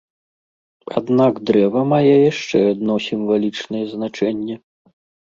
Аднак дрэва мае яшчэ адно сімвалічнае значэнне.